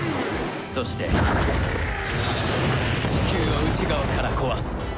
そしてチキューを内側から壊す。